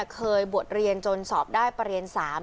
เคยบวชเรียนจนสอบได้ประเรียน๓